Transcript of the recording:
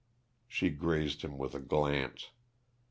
She grazed him with a glance.